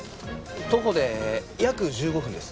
徒歩で約１５分です。